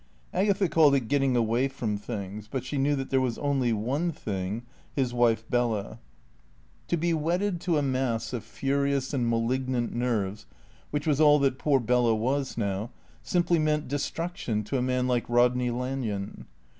Agatha called it getting away "from things"; but she knew that there was only one thing, his wife Bella. To be wedded to a mass of furious and malignant nerves (which was all that poor Bella was now) simply meant destruction to a man like Rodney Lanyon.